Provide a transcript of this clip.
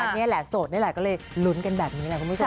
นี่แหละโสดนี่แหละก็เลยลุ้นกันแบบนี้แหละคุณผู้ชม